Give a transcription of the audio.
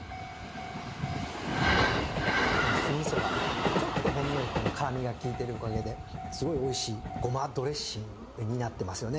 うんこの酢味噌がちょっとほんのりこの辛みが効いてるおかげですごいおいしいごまドレッシングになってますよね。